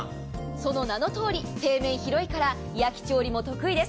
その名のとおり、底面が広いから焼き調理が得意です。